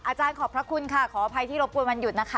อาจารย์ขอบพระคุณค่ะขออภัยที่รบกวนวันหยุดนะคะ